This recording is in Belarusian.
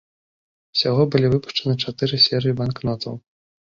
Усяго былі выпушчаны чатыры серыі банкнотаў.